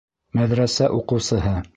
Мәҙрәсә уҡыусыһы.